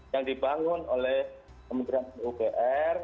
yang dibangun oleh kementerian pupr